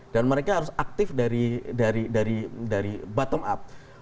dan mereka harus aktif dari bottom up